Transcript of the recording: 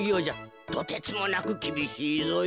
とてつもなくきびしいぞえ。